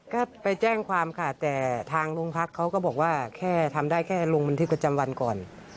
ก็ไปแจ้งความค่ะแต่ทางโรงพักเขาก็บอกว่าแค่ทำได้แค่ลงบันทึกประจำวันก่อน